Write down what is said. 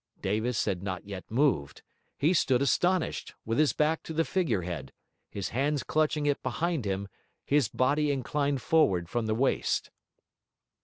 Davis had not yet moved; he stood astonished, with his back to the figure head, his hands clutching it behind him, his body inclined forward from the waist.